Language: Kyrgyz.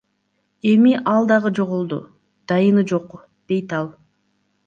Эми ал дагы жоголду, дайыны жок, – дейт ал.